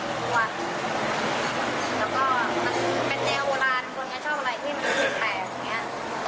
แล้วก็เป็นแนวโอราณคนจะชอบอะไรที่มันเป็นถืดไข่